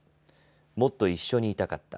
もっと一緒にいたかった。